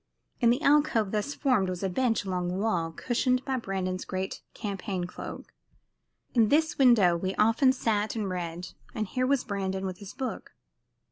In the alcove thus formed was a bench along the wall, cushioned by Brandon's great campaign cloak. In this window we often sat and read, and here was Brandon with his book.